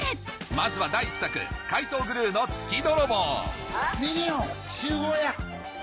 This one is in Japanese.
まずは第１作『怪盗グルーの月泥棒』ミニオン集合や。